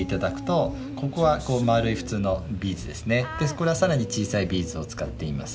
これはさらに小さいビーズを使っています。